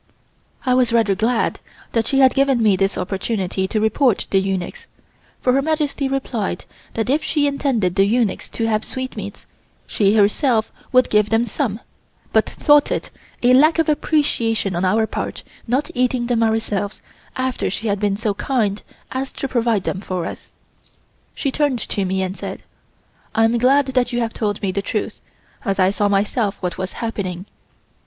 I was rather glad that she had given me this opportunity to report the eunuchs, for Her Majesty replied that if she intended the eunuchs to have sweetmeats, she herself could give them some, but thought it a lack of appreciation on our part not eating them ourselves after she had been so kind as to provide them for us. She turned to me, and said: "I am glad that you have told the truth, as I saw myself what was happening."